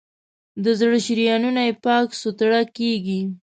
د زړه شریانونه یې پاک سوتړه کېږي.